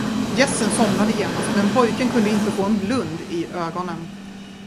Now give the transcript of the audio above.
Gässen somnade genast, men pojken kunde inte få en blund i ögonen.